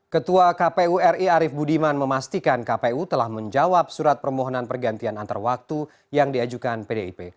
ketua kpu ri arief budiman memastikan kpu telah menjawab surat permohonan pergantian antar waktu yang diajukan pdip